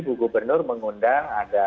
bu gubernur mengundang ada